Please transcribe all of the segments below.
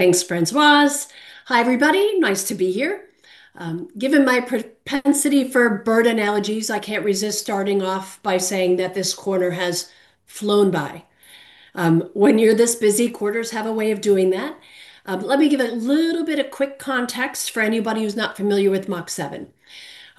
Thanks, Françoise. Hi, everybody. Nice to be here. Given my propensity for bird analogies, I can't resist starting off by saying that this quarter has flown by. When you're this busy, quarters have a way of doing that. Let me give a little bit of quick context for anybody who's not familiar with Mach7.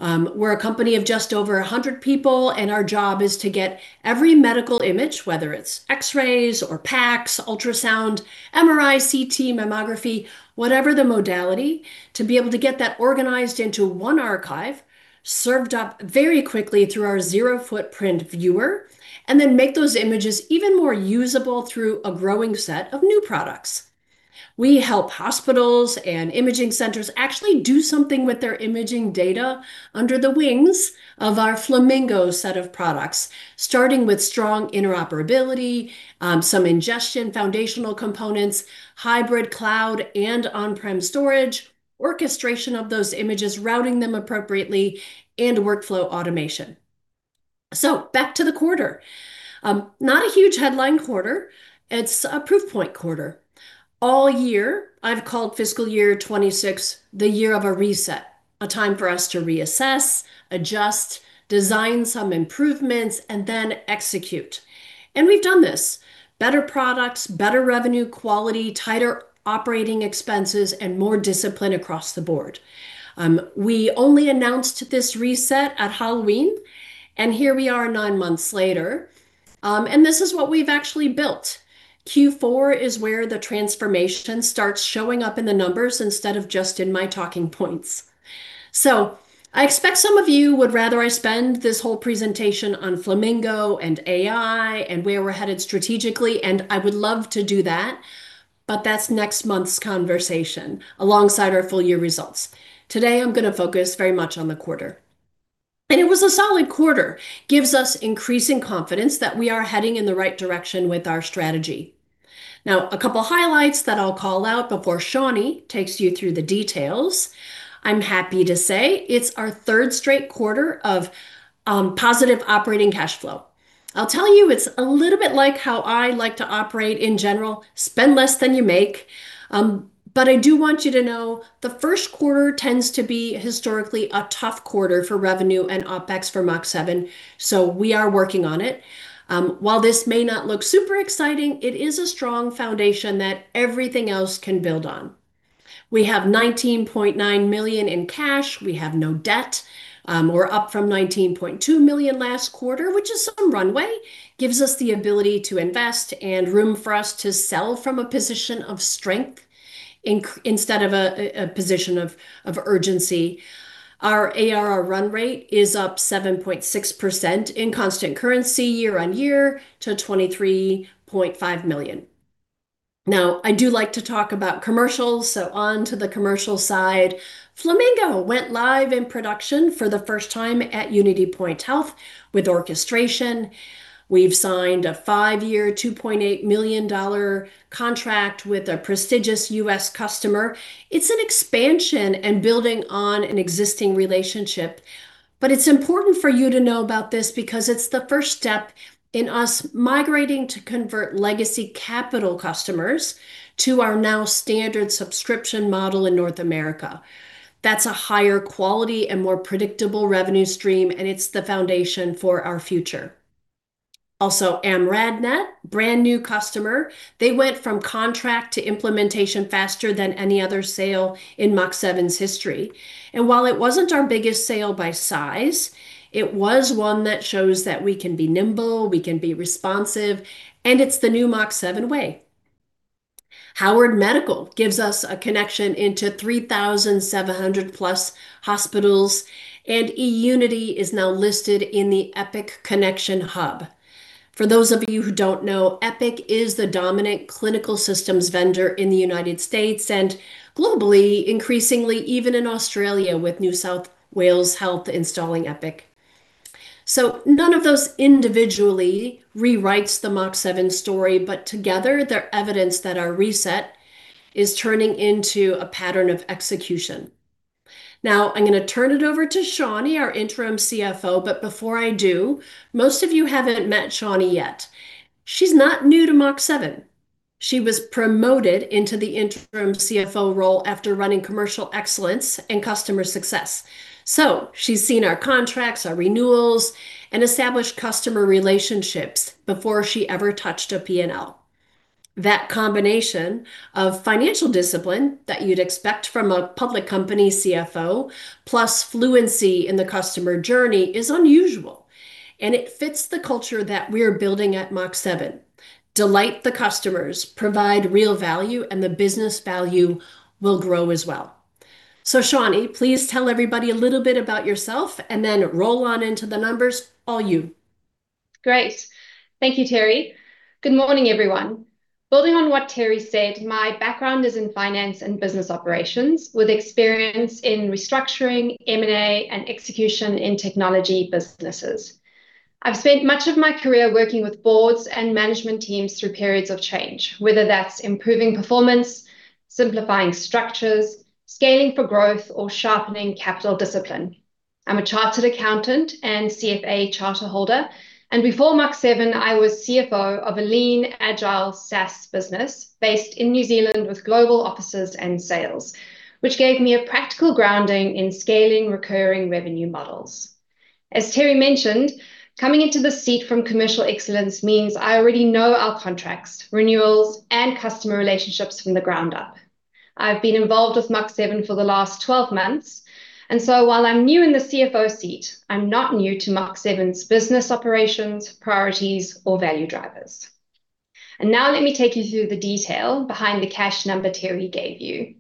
We're a company of just over 100 people. Our job is to get every medical image, whether it's X-rays or PACS, ultrasound, MRI, CT, mammography, whatever the modality, to be able to get that organized into one archive, served up very quickly through our zero-footprint viewer, and then make those images even more usable through a growing set of new products. We help hospitals and imaging centers actually do something with their imaging data under the wings of our Flamingo set of products, starting with strong interoperability, some ingestion foundational components, hybrid cloud and on-prem storage, orchestration of those images, routing them appropriately, and workflow automation. Back to the quarter. Not a huge headline quarter. It's a proof point quarter. All year, I've called FY 2026 the year of a reset, a time for us to reassess, adjust, design some improvements, and then execute. We've done this. Better products, better revenue quality, tighter operating expenses, and more discipline across the board. We only announced this reset at Halloween, and here we are nine months later. This is what we've actually built. Q4 is where the transformation starts showing up in the numbers instead of just in my talking points. I expect some of you would rather I spend this whole presentation on Flamingo and AI and where we're headed strategically, and I would love to do that, but that's next month's conversation, alongside our full year results. Today, I'm going to focus very much on the quarter. It was a solid quarter. Gives us increasing confidence that we are heading in the right direction with our strategy. Now, a couple highlights that I'll call out before Shawni takes you through the details. I'm happy to say it's our third straight quarter of positive operating cash flow. I'll tell you, it's a little bit like how I like to operate in general, spend less than you make. I do want you to know the first quarter tends to be historically a tough quarter for revenue and OpEx for Mach7, so we are working on it. While this may not look super exciting, it is a strong foundation that everything else can build on. We have 19.9 million in cash. We have no debt. We're up from 19.2 million last quarter, which is some runway. Gives us the ability to invest and room for us to sell from a position of strength instead of a position of urgency. Our ARR run rate is up 7.6% in constant currency year-on-year to 23.5 million. Now, I do like to talk about commercials, so on to the commercial side. Flamingo went live in production for the first time at UnityPoint Health with orchestration. We've signed a five-year, 2.8-million dollar contract with a prestigious U.S. customer. It's an expansion and building on an existing relationship. It's important for you to know about this because it's the first step in us migrating to convert legacy capital customers to our now standard subscription model in North America. That's a higher quality and more predictable revenue stream, and it's the foundation for our future. Also, AMRADNET, brand new customer. They went from contract to implementation faster than any other sale in Mach7's history. And while it wasn't our biggest sale by size, it was one that shows that we can be nimble, we can be responsive, and it's the new Mach7 way. Howard Medical gives us a connection into 3,700+ hospitals, and eUnity is now listed in the Epic Connection Hub. For those of you who don't know, Epic is the dominant clinical systems vendor in the United States and globally, increasingly even in Australia with NSW Health installing Epic. None of those individually rewrites the Mach7 story, but together they're evidence that our reset is turning into a pattern of execution. Now, I'm going to turn it over to Shawni, our Interim CFO, but before I do, most of you haven't met Shawni yet. She's not new to Mach7. She was promoted into the Interim CFO role after running commercial excellence and customer success. So, she's seen our contracts, our renewals, and established customer relationships before she ever touched a P&L. That combination of financial discipline that you'd expect from a public company CFO plus fluency in the customer journey is unusual, and it fits the culture that we're building at Mach7. Delight the customers, provide real value, and the business value will grow as well. So Shawni, please tell everybody a little bit about yourself and then roll on into the numbers. All you. Great. Thank you, Teri. Good morning, everyone. Building on what Teri said, my background is in finance and business operations with experience in restructuring, M&A, and execution in technology businesses. I've spent much of my career working with boards and management teams through periods of change, whether that's improving performance, simplifying structures, scaling for growth, or sharpening capital discipline. I'm a chartered accountant and CFA charterholder. And before Mach7, I was CFO of a lean, agile SaaS business based in New Zealand with global offices and sales, which gave me a practical grounding in scaling recurring revenue models. As Teri mentioned, coming into this seat from commercial excellence means I already know our contracts, renewals, and customer relationships from the ground up. I've been involved with Mach7 for the last 12 months. While I'm new in the CFO seat, I'm not new to Mach7's business operations, priorities, or value drivers. And now let me take you through the detail behind the cash number Teri gave you.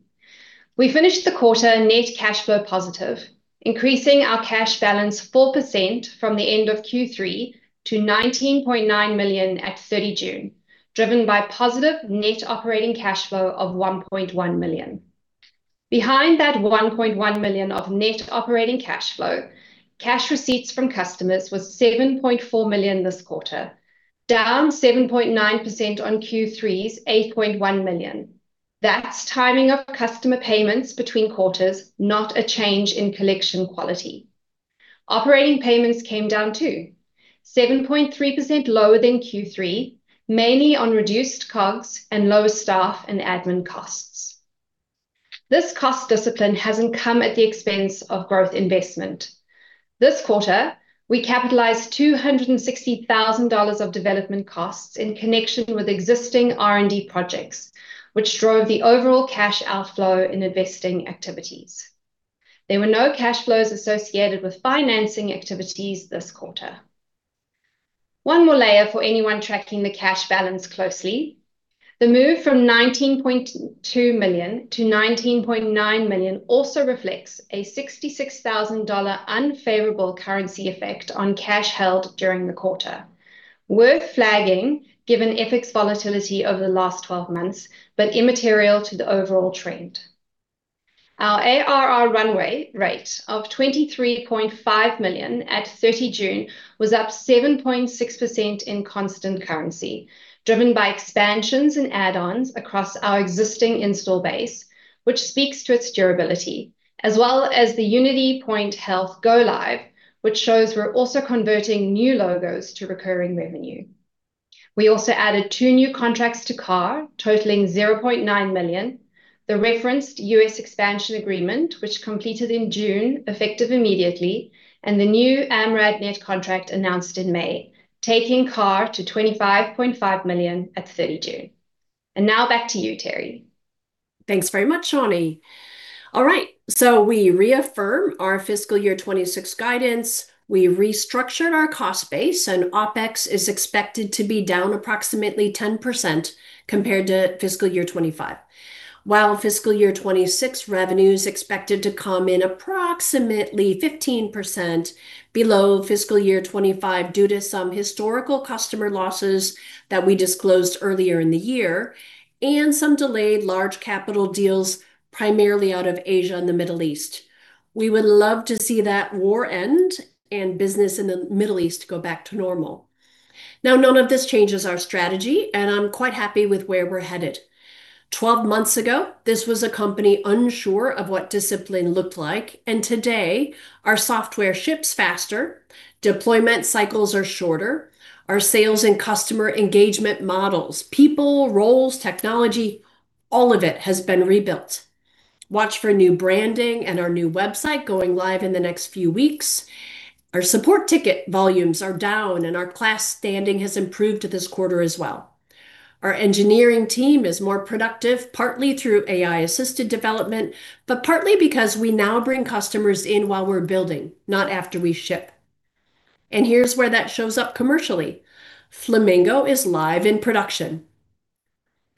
We finished the quarter net cash flow positive, increasing our cash balance 4% from the end of Q3 to 19.9 million at 30 June, driven by positive net operating cash flow of 1.1 million. Behind that 1.1 million of net operating cash flow, cash receipts from customers was 7.4 million this quarter, down 7.9% on Q3's 8.1 million. That's timing of customer payments between quarters, not a change in collection quality. Operating payments came down, too, 7.3% lower than Q3, mainly on reduced COGS and lower staff and admin costs. This cost discipline hasn't come at the expense of growth investment. This quarter, we capitalized 260,000 dollars of development costs in connection with existing R&D projects, which drove the overall cash outflow in investing activities. There were no cash flows associated with financing activities this quarter. One more layer for anyone tracking the cash balance closely. The move from 19.2 million to 19.9 million also reflects a 66,000 dollar unfavorable currency effect on cash held during the quarter. Worth flagging, given FX volatility over the last 12 months, but immaterial to the overall trend. Our ARR runway rate of 23.5 million at 30 June was up 7.6% in constant currency, driven by expansions and add-ons across our existing install base, which speaks to its durability, as well as the UnityPoint Health go live, which shows we're also converting new logos to recurring revenue. We also added two new contracts to CARR, totaling 0.9 million, the referenced U.S. expansion agreement, which completed in June effective immediately, and the new AMRADNET contract announced in May, taking CARR to 25.5 million at 30 June. Now, back to you, Teri. Thanks very much, Shawni. We reaffirm our fiscal year 2026 guidance. We restructured our cost base, and OpEx is expected to be down approximately 10% compared to fiscal year 2025, while fiscal year 2026 revenue is expected to come in approximately 15% below fiscal year 2025 due to some historical customer losses that we disclosed earlier in the year and some delayed large capital deals, primarily out of Asia and the Middle East. We would love to see that war end and business in the Middle East go back to normal. None of this changes our strategy, and I'm quite happy with where we're headed. 12 months ago, this was a company unsure of what discipline looked like, and today our software ships faster, deployment cycles are shorter, our sales and customer engagement models, people, roles, technology, all of it has been rebuilt. Watch for new branding and our new website going live in the next few weeks. Our support ticket volumes are down, and our KLAS standing has improved this quarter as well. Our engineering team is more productive, partly through AI-assisted development, but partly because we now bring customers in while we're building, not after we ship. Here's where that shows up commercially. Flamingo is live in production.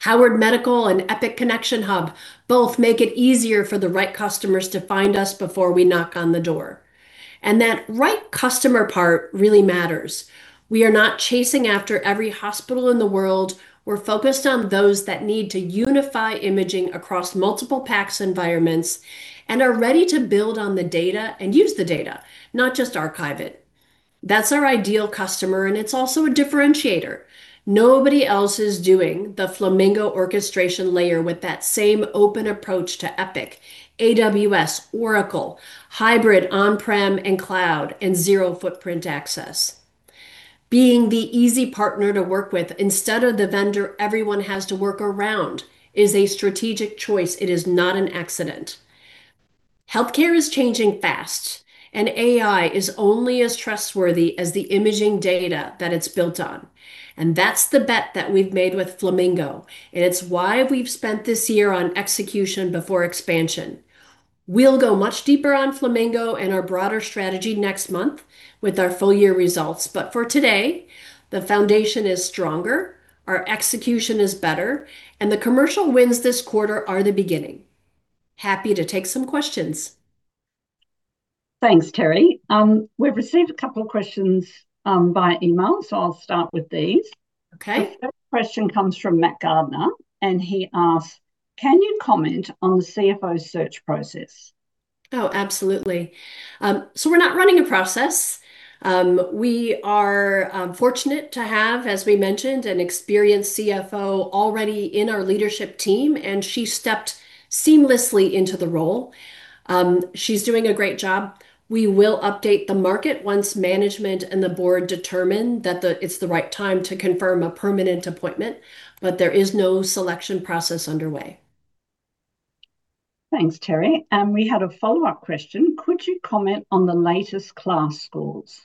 Howard Medical and Epic Connection Hub both make it easier for the right customers to find us before we knock on the door. That right customer part really matters. We are not chasing after every hospital in the world. We're focused on those that need to unify imaging across multiple PACS environments and are ready to build on the data and use the data, not just archive it. That's our ideal customer, and it's also a differentiator. Nobody else is doing the Flamingo orchestration layer with that same open approach to Epic, AWS, Oracle, hybrid on-prem and cloud, and zero-footprint access. Being the easy partner to work with instead of the vendor everyone has to work around is a strategic choice. It is not an accident. Healthcare is changing fast. AI is only as trustworthy as the imaging data that it's built on. That's the bet that we've made with Flamingo. It's why we've spent this year on execution before expansion. We'll go much deeper on Flamingo and our broader strategy next month with our full year results. For today, the foundation is stronger, our execution is better, and the commercial wins this quarter are the beginning. Happy to take some questions. Thanks, Teri. We've received a couple of questions by email. I'll start with these. The first question comes from Matt Gardner. He asks, can you comment on the CFO search process? Absolutely. We're not running a process. We are fortunate to have, as we mentioned, an experienced CFO already in our leadership team. She stepped seamlessly into the role. She's doing a great job. We will update the market once management and the board determine that it's the right time to confirm a permanent appointment, there is no selection process underway. Thanks, Teri. We had a follow-up question. Could you comment on the latest KLAS scores?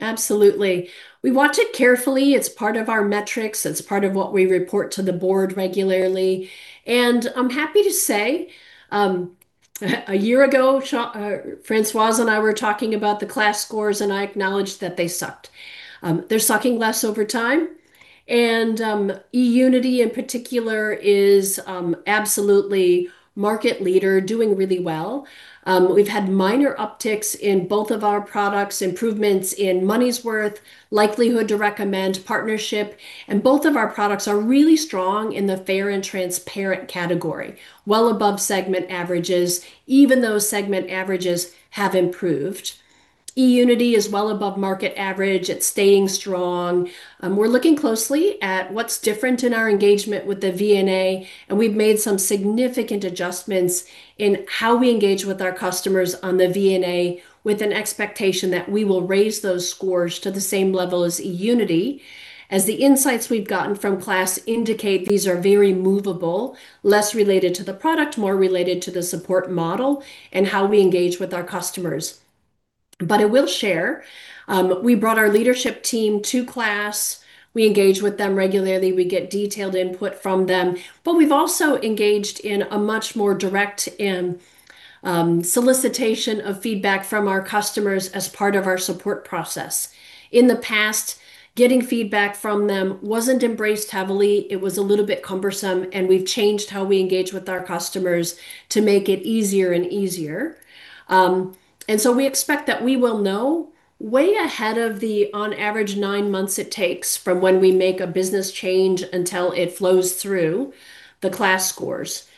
Absolutely. We watch it carefully. It's part of our metrics. It's part of what we report to the board regularly. I'm happy to say, a year ago, Françoise and I were talking about the KLAS scores, and I acknowledged that they sucked. They're sucking less over time. eUnity in particular is absolutely market leader, doing really well. We've had minor upticks in both of our products, improvements in money's worth, likelihood to recommend, partnership. Both of our products are really strong in the fair and transparent category, well above segment averages, even though segment averages have improved. eUnity is well above market average. It's staying strong. We're looking closely at what's different in our engagement with the VNA, we've made some significant adjustments in how we engage with our customers on the VNA with an expectation that we will raise those scores to the same level as eUnity. The insights we've gotten from KLAS indicate these are very movable, less related to the product, more related to the support model and how we engage with our customers. I will share, we brought our leadership team to KLAS. We engage with them regularly. We get detailed input from them. We've also engaged in a much more direct solicitation of feedback from our customers as part of our support process. In the past, getting feedback from them wasn't embraced heavily. It was a little bit cumbersome. We've changed how we engage with our customers to make it easier and easier. We expect that we will know way ahead of the on average nine months it takes from when we make a business change until it flows through the KLAS scores.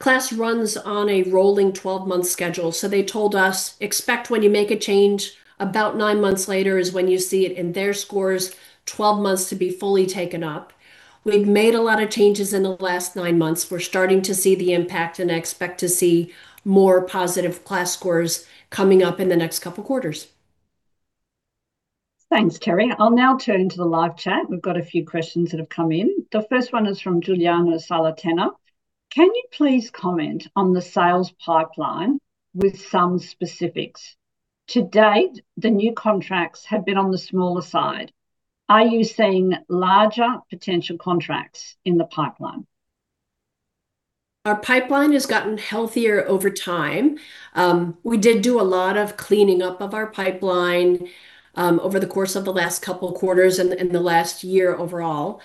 KLAS runs on a rolling 12-month schedule. They told us, expect when you make a change, about nine months later is when you see it in their scores, 12 months to be fully taken up. We've made a lot of changes in the last nine months. We're starting to see the impact, I expect to see more positive KLAS scores coming up in the next couple of quarters. Thanks, Teri. I'll now turn to the live chat. We've got a few questions that have come in. The first one is from Giuliano Saliterna. Can you please comment on the sales pipeline with some specifics? To date, the new contracts have been on the smaller side. Are you seeing larger potential contracts in the pipeline? Our pipeline has gotten healthier over time. We did do a lot of cleaning up of our pipeline over the course of the last couple of quarters and the last year overall.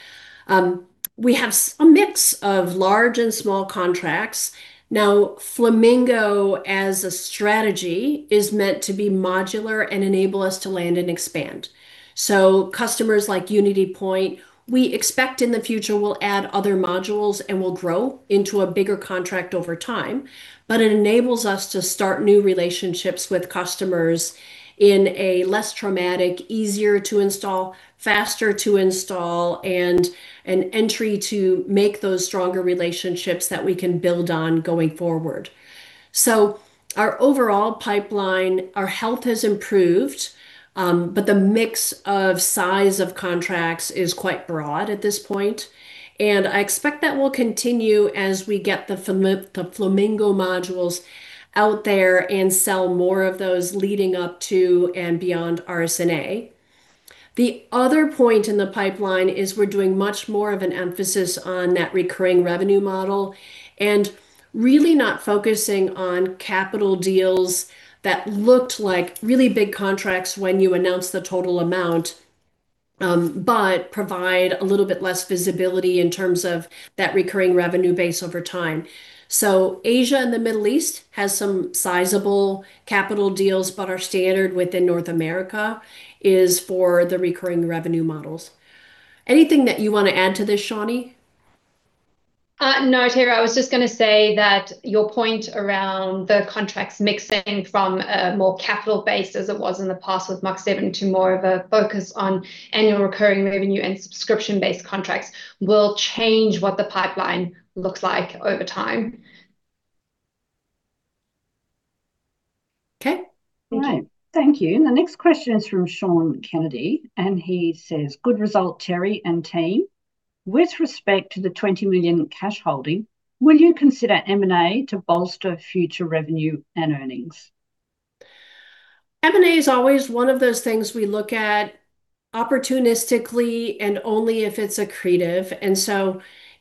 We have a mix of large and small contracts. Flamingo as a strategy is meant to be modular and enable us to land and expand. Customers like UnityPoint, we expect in the future will add other modules and will grow into a bigger contract over time. It enables us to start new relationships with customers in a less traumatic, easier to install, faster to install, and an entry to make those stronger relationships that we can build on going forward. Our overall pipeline, our health has improved, but the mix of size of contracts is quite broad at this point. I expect that will continue as we get the Flamingo modules out there and sell more of those leading up to and beyond RSNA. The other point in the pipeline is we're doing much more of an emphasis on that recurring revenue model and really not focusing on capital deals that looked like really big contracts when you announce the total amount, but provide a little bit less visibility in terms of that recurring revenue base over time. Asia and the Middle East has some sizable capital deals, but our standard within North America is for the recurring revenue models. Anything that you want to add to this, Shawni? No, Teri. I was just going to say that your point around the contracts mixing from a more capital base, as it was in the past with Mach7, to more of a focus on annual recurring revenue and subscription-based contracts will change what the pipeline looks like over time. Thank you. Thank you. The next question is from Sean Kennedy, and he says, good result, Teri and team. With respect to the 20 million cash holding, will you consider M&A to bolster future revenue and earnings? M&A is always one of those things we look at opportunistically and only if it's accretive.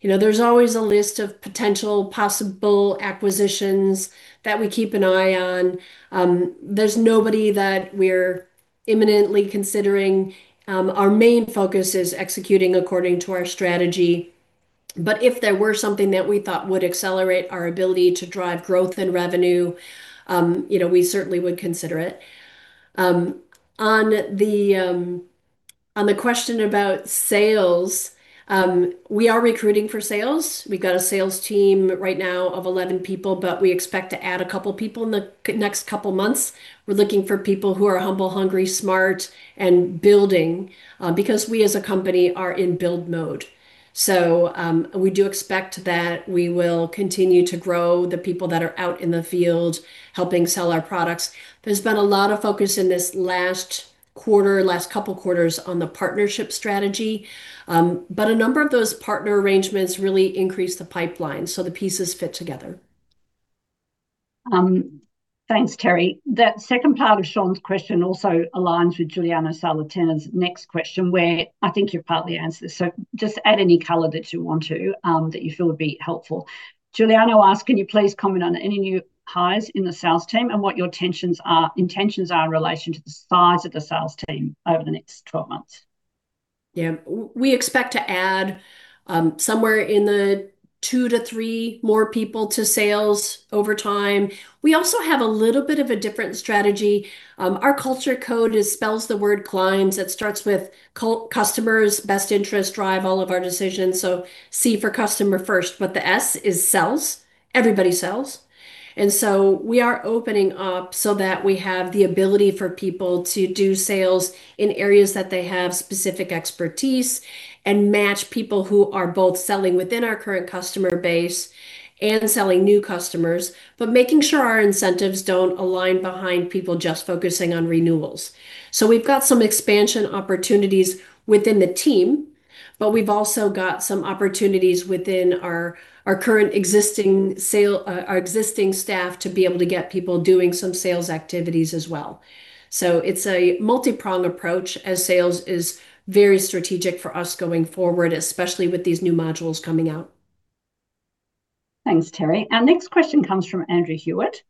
There's always a list of potential possible acquisitions that we keep an eye on. There's nobody that we're imminently considering. Our main focus is executing according to our strategy. If there were something that we thought would accelerate our ability to drive growth and revenue, we certainly would consider it. On the question about sales, we are recruiting for sales. We've got a sales team right now of 11 people, but we expect to add a couple people in the next couple months. We're looking for people who are humble, hungry, smart, and building, because we as a company are in build mode. We do expect that we will continue to grow the people that are out in the field helping sell our products. There's been a lot of focus in this last quarter, last couple quarters, on the partnership strategy. A number of those partner arrangements really increase the pipeline, so the pieces fit together. Thanks, Teri. That second part of Sean's question also aligns with Giuliano Saliterna's next question, where I think you've partly answered this. Just add any color that you want to, that you feel would be helpful. Giuliano asked, can you please comment on any new hires in the sales team and what your intentions are in relation to the size of the sales team over the next 12 months? We expect to add somewhere in the two to three more people to sales over time. We also have a little bit of a different strategy. Our culture code spells the word CLIMBS. It starts with customers' best interests drive all of our decisions, so C for customer first. The S is sells. Everybody sells. We are opening up so that we have the ability for people to do sales in areas that they have specific expertise and match people who are both selling within our current customer base and selling new customers, making sure our incentives don't align behind people just focusing on renewals. We've got some expansion opportunities within the team. We've also got some opportunities within our current existing staff to be able to get people doing some sales activities as well. It's a multiprong approach, as sales is very strategic for us going forward, especially with these new modules coming out. Thanks, Teri. Our next question comes from Andrew Hewitt.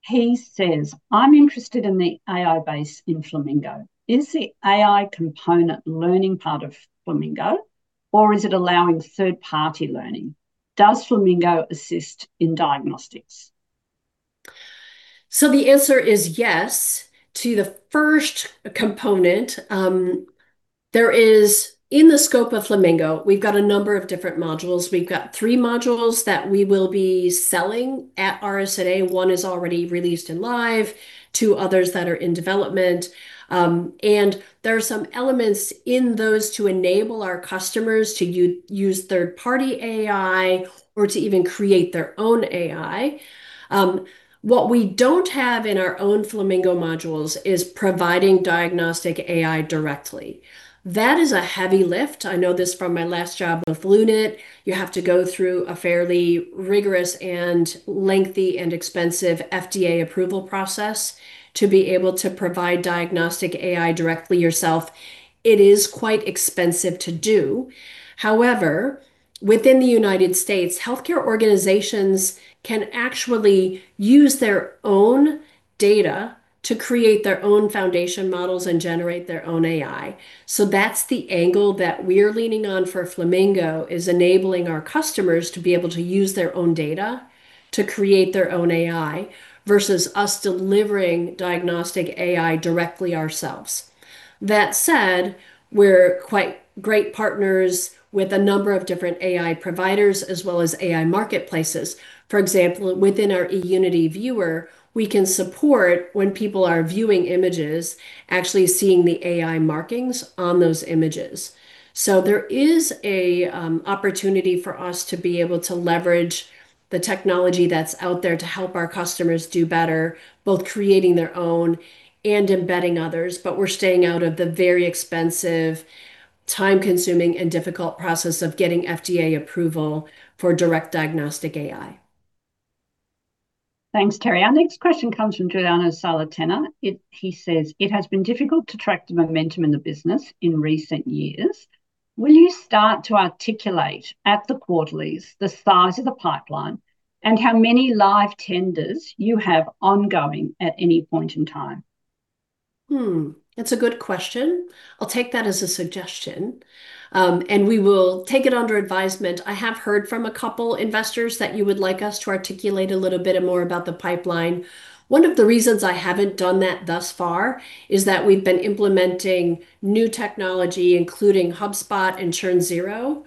He says, I'm interested in the AI base in Flamingo. Is the AI component learning part of Flamingo, or is it allowing third-party learning? Does Flamingo assist in diagnostics? The answer is yes to the first component. In the scope of Flamingo, we've got a number of different modules. We've got three modules that we will be selling at RSNA. One is already released and live, two others that are in development. There are some elements in those to enable our customers to use third-party AI or to even create their own AI. What we don't have in our own Flamingo modules is providing diagnostic AI directly. That is a heavy lift. I know this from my last job with Lunit. You have to go through a fairly rigorous and lengthy and expensive FDA approval process to be able to provide diagnostic AI directly yourself. It is quite expensive to do. However, within the United States, healthcare organizations can actually use their own data to create their own foundation models and generate their own AI. That's the angle that we're leaning on for Flamingo, is enabling our customers to be able to use their own data to create their own AI, versus us delivering diagnostic AI directly ourselves. That said, we're quite great partners with a number of different AI providers as well as AI marketplaces. For example, within our eUnity viewer, we can support when people are viewing images, actually seeing the AI markings on those images. There is an opportunity for us to be able to leverage the technology that's out there to help our customers do better, both creating their own and embedding others. We're staying out of the very expensive, time-consuming, and difficult process of getting FDA approval for direct diagnostic AI. Thanks, Teri. Our next question comes from Giuliano Saliterna. He says, it has been difficult to track the momentum in the business in recent years. Will you start to articulate at the quarterlies the size of the pipeline and how many live tenders you have ongoing at any point in time? That's a good question. I'll take that as a suggestion. We will take it under advisement. I have heard from a couple investors that you would like us to articulate a little bit more about the pipeline. One of the reasons I haven't done that thus far is that we've been implementing new technology, including HubSpot and ChurnZero,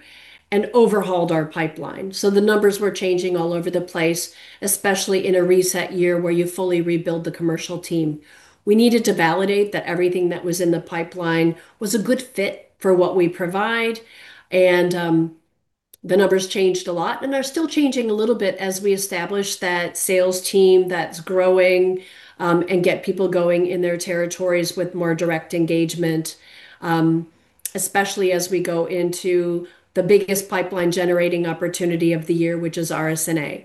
and overhauled our pipeline. The numbers were changing all over the place, especially in a reset year where you fully rebuild the commercial team. We needed to validate that everything that was in the pipeline was a good fit for what we provide. The numbers changed a lot, and they're still changing a little bit as we establish that sales team that's growing, and get people going in their territories with more direct engagement. Especially as we go into the biggest pipeline-generating opportunity of the year, which is RSNA.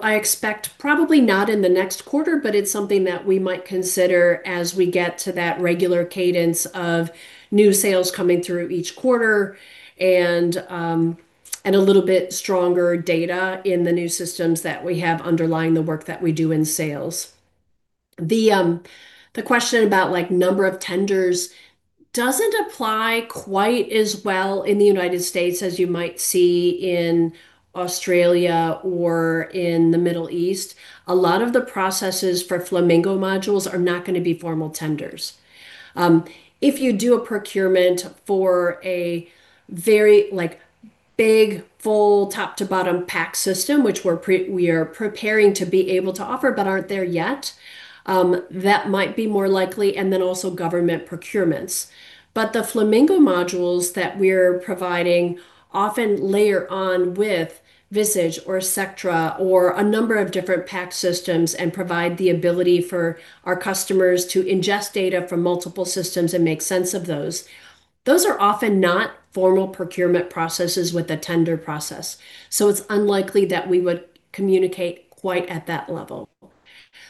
I expect probably not in the next quarter, but it's something that we might consider as we get to that regular cadence of new sales coming through each quarter and a little bit stronger data in the new systems that we have underlying the work that we do in sales. The question about number of tenders doesn't apply quite as well in the United States as you might see in Australia or in the Middle East. A lot of the processes for Flamingo modules are not going to be formal tenders. If you do a procurement for a very big, full, top-to-bottom PACS system, which we are preparing to be able to offer but aren't there yet, that might be more likely. Then also government procurements. The Flamingo modules that we're providing often layer on with Visage or Sectra or a number of different PACS systems and provide the ability for our customers to ingest data from multiple systems and make sense of those. Those are often not formal procurement processes with a tender process. It's unlikely that we would communicate quite at that level.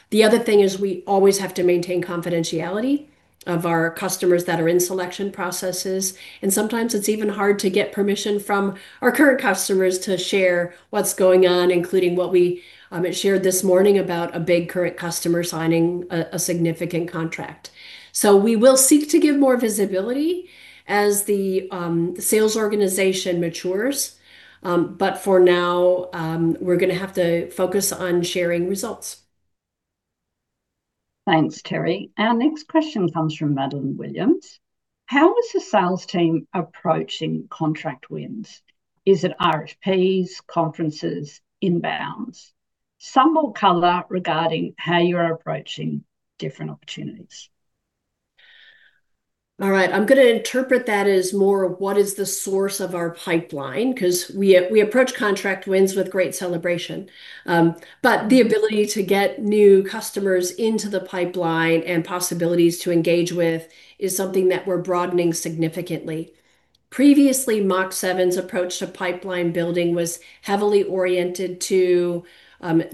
The other thing is we always have to maintain confidentiality of our customers that are in selection processes. Sometimes it's even hard to get permission from our current customers to share what's going on, including what we shared this morning about a big current customer signing a significant contract. We will seek to give more visibility as the sales organization matures. For now, we're going to have to focus on sharing results. Thanks, Teri. Our next question comes from Madeleine Williams. How is the sales team approaching contract wins? Is it RFPs, conferences, inbounds? Some more color regarding how you are approaching different opportunities. I'm going to interpret that as more of what is the source of our pipeline, because we approach contract wins with great celebration. The ability to get new customers into the pipeline and possibilities to engage with is something that we're broadening significantly. Previously, Mach7's approach to pipeline building was heavily oriented to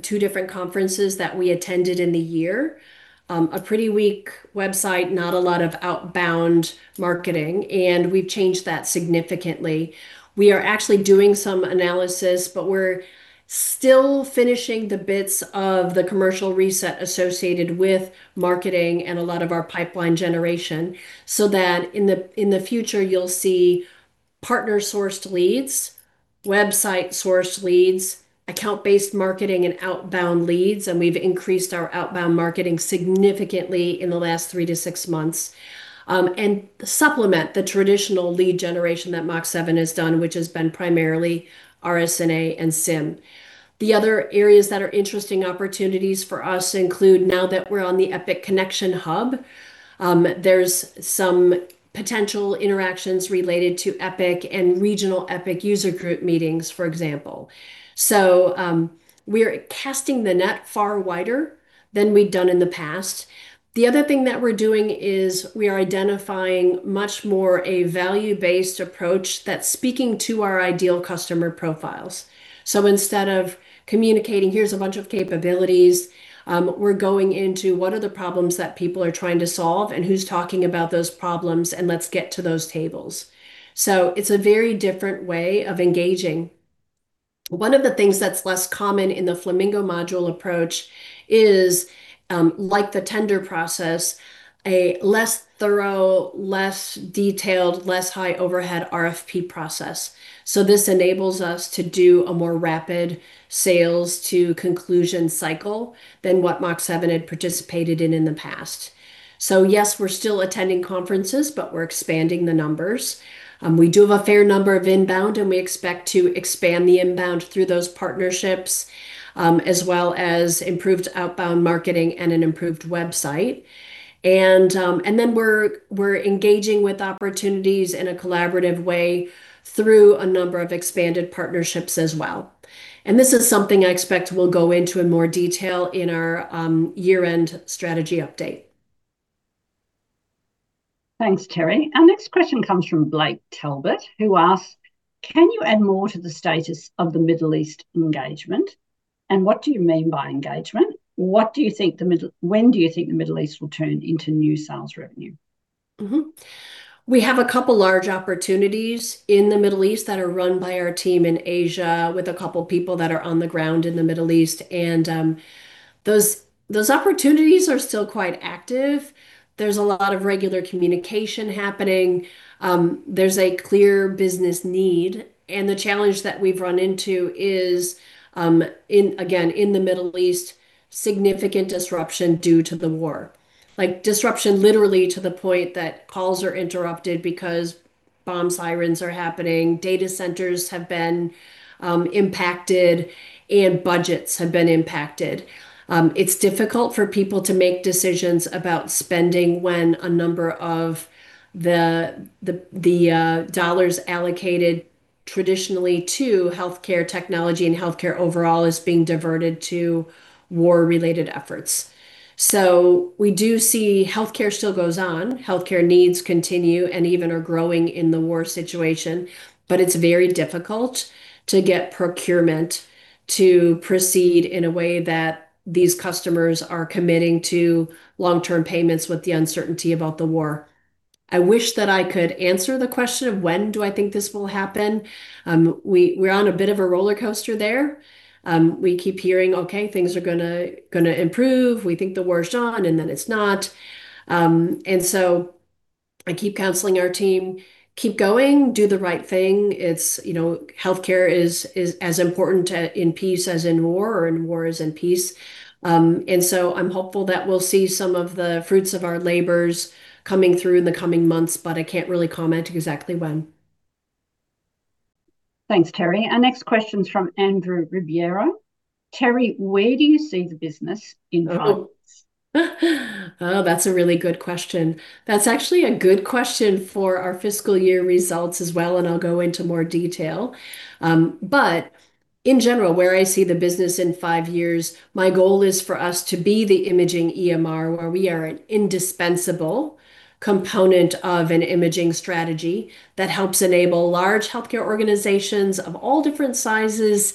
two different conferences that we attended in the year. A pretty weak website, not a lot of outbound marketing, and we've changed that significantly. We are actually doing some analysis, but we're still finishing the bits of the commercial reset associated with marketing and a lot of our pipeline generation, so that in the future, you'll see partner-sourced leads, website-sourced leads, account-based marketing, and outbound leads. We've increased our outbound marketing significantly in the last three to six months. Supplement the traditional lead generation that Mach7 has done, which has been primarily RSNA and SIIM. The other areas that are interesting opportunities for us include now that we're on the Epic Connection Hub, there's some potential interactions related to Epic and regional Epic user group meetings, for example. We're casting the net far wider than we'd done in the past. The other thing that we're doing is we are identifying much more a value-based approach that's speaking to our ideal customer profiles. Instead of communicating, here's a bunch of capabilities, we're going into what are the problems that people are trying to solve and who's talking about those problems, and let's get to those tables. It's a very different way of engaging. One of the things that's less common in the Flamingo module approach is, like the tender process, a less thorough, less detailed, less high overhead RFP process. This enables us to do a more rapid sales-to-conclusion cycle than what Mach7 had participated in in the past. Yes, we're still attending conferences, but we're expanding the numbers. We do have a fair number of inbound, and we expect to expand the inbound through those partnerships, as well as improved outbound marketing and an improved website. Then we're engaging with opportunities in a collaborative way through a number of expanded partnerships as well. This is something I expect we'll go into in more detail in our year-end strategy update. Thanks, Teri. Our next question comes from Blake Talbot, who asks, can you add more to the status of the Middle East engagement, and what do you mean by engagement? When do you think the Middle East will turn into new sales revenue? We have a couple large opportunities in the Middle East that are run by our team in Asia with a couple people that are on the ground in the Middle East. Those opportunities are still quite active. There's a lot of regular communication happening. There's a clear business need, and the challenge that we've run into is, again, in the Middle East, significant disruption due to the war. Like disruption literally to the point that calls are interrupted because bomb sirens are happening, data centers have been impacted, and budgets have been impacted. It's difficult for people to make decisions about spending when a number of the dollars allocated traditionally to healthcare technology and healthcare overall is being diverted to war-related efforts. We do see healthcare still goes on. Healthcare needs continue and even are growing in the war situation. It's very difficult to get procurement to proceed in a way that these customers are committing to long-term payments with the uncertainty about the war. I wish that I could answer the question of when do I think this will happen. We're on a bit of a roller coaster there. We keep hearing things are going to improve. We think the war is on, and then it's not. I keep counseling our team, keep going, do the right thing. Healthcare is as important in peace as in war or in war as in peace. I'm hopeful that we'll see some of the fruits of our labors coming through in the coming months, but I can't really comment exactly when. Thanks, Teri. Our next question's from Andrew Riviera. Teri, where do you see the business in five years? That's a really good question. That's actually a good question for our fiscal year results as well, and I'll go into more detail. In general, where I see the business in five years, my goal is for us to be the imaging EMR, where we are an indispensable component of an imaging strategy that helps enable large healthcare organizations of all different sizes,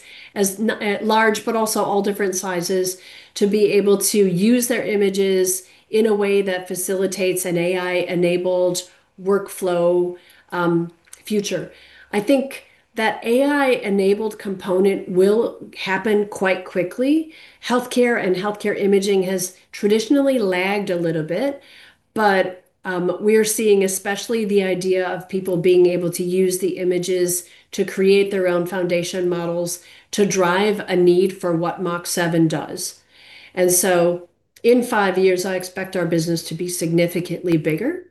large, but also all different sizes, to be able to use their images in a way that facilitates an AI-enabled workflow future. I think that AI-enabled component will happen quite quickly. Healthcare and healthcare imaging has traditionally lagged a little bit. We are seeing, especially the idea of people being able to use the images to create their own foundation models to drive a need for what Mach7 does. In five years, I expect our business to be significantly bigger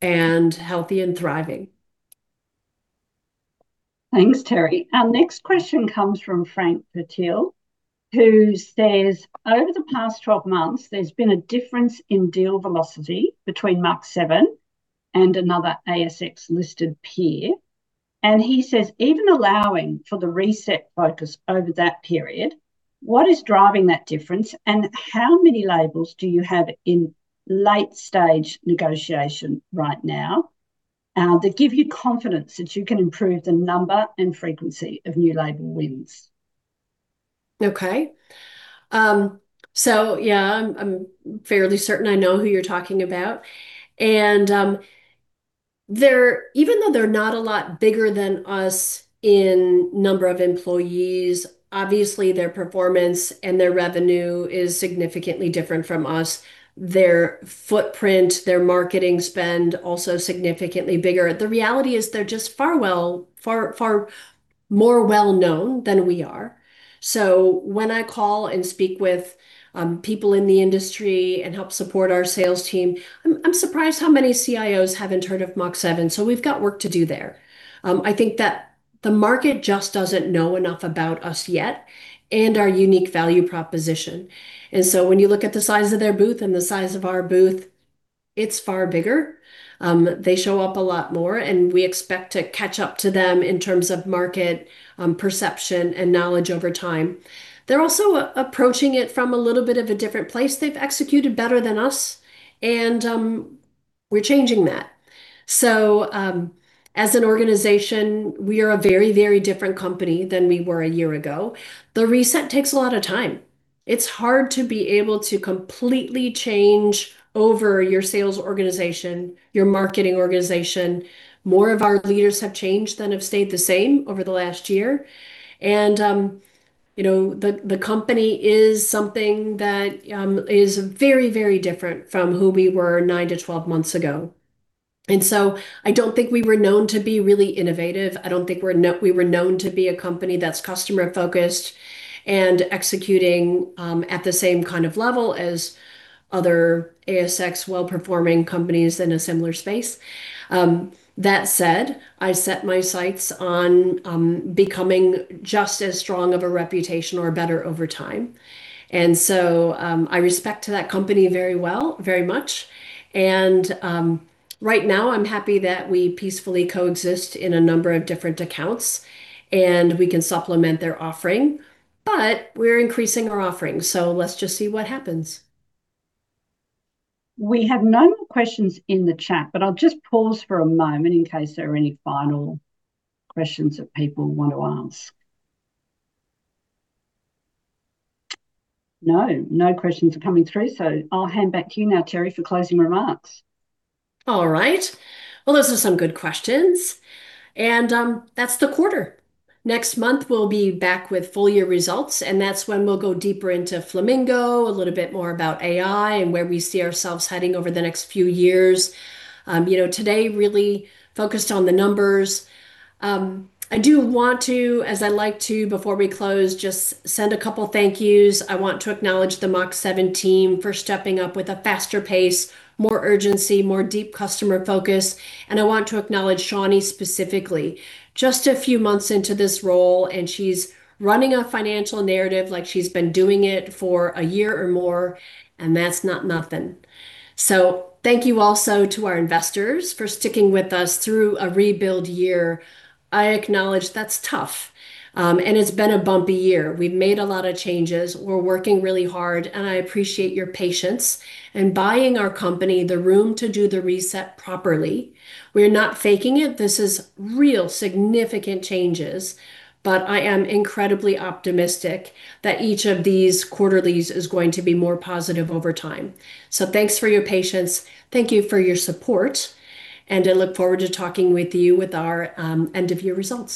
and healthy and thriving. Thanks, Teri. Our next question comes from Frank Pertile, who says, over the past 12 months, there's been a difference in deal velocity between Mach7 and another ASX-listed peer. He says, even allowing for the reset focus over that period, what is driving that difference, and how many labels do you have in late stage negotiation right now that give you confidence that you can improve the number and frequency of new label wins? I'm fairly certain I know who you're talking about. Even though they're not a lot bigger than us in number of employees, obviously, their performance and their revenue is significantly different from us. Their footprint, their marketing spend, also significantly bigger. The reality is they're just far more well-known than we are. When I call and speak with people in the industry and help support our sales team, I'm surprised how many CIOs haven't heard of Mach7. We've got work to do there. I think that the market just doesn't know enough about us yet and our unique value proposition. When you look at the size of their booth and the size of our booth, it's far bigger. They show up a lot more, and we expect to catch up to them in terms of market perception and knowledge over time. They're also approaching it from a little bit of a different place. They've executed better than us, and we're changing that. As an organization, we are a very different company than we were a year ago. The reset takes a lot of time. It's hard to be able to completely change over your sales organization, your marketing organization. More of our leaders have changed than have stayed the same over the last year. The company is something that is very different from who we were 9 to 12 months ago. I don't think we were known to be really innovative. I don't think we were known to be a company that's customer-focused and executing at the same kind of level as other ASX well-performing companies in a similar space. That said, I set my sights on becoming just as strong of a reputation or better over time. I respect that company very much. Right now, I'm happy that we peacefully coexist in a number of different accounts, and we can supplement their offering. But we're increasing our offering, let's just see what happens. We have no more questions in the chat. I'll just pause for a moment in case there are any final questions that people want to ask. No questions are coming through, so I'll hand back to you now, Teri, for closing remarks. Well, those are some good questions. That's the quarter. Next month, we'll be back with full-year results. That's when we'll go deeper into Flamingo, a little bit more about AI, and where we see ourselves heading over the next few years. Today really focused on the numbers. I do want to, as I like to before we close, just send a couple of thank yous. I want to acknowledge the Mach7 team for stepping up with a faster pace, more urgency, more deep customer focus. I want to acknowledge Shawni specifically. Just a few months into this role, she's running a financial narrative like she's been doing it for a year or more, and that's not nothing. Thank you also to our investors for sticking with us through a rebuild year. I acknowledge that's tough. It's been a bumpy year. We've made a lot of changes. We're working really hard. I appreciate your patience and buying our company the room to do the reset properly. We're not faking it. This is real significant changes. I am incredibly optimistic that each of these quarterlies is going to be more positive over time. Thanks for your patience, thank you for your support. I look forward to talking with you with our end of year results.